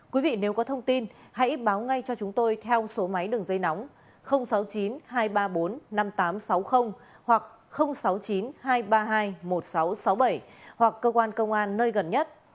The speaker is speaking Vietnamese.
quý vị nếu có thông tin hãy báo ngay cho chúng tôi theo số máy đường dây nóng sáu mươi chín hai trăm ba mươi bốn năm nghìn tám trăm sáu mươi hoặc sáu mươi chín hai trăm ba mươi hai một nghìn sáu trăm sáu mươi bảy hoặc cơ quan công an nơi gần nhất